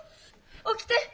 起きて！